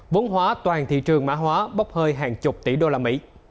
vốn hóa toàn thị trường mã hóa bốc hơi hàng chục tỷ usd